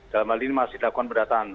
dalam hal ini masih dakwaan berdatangan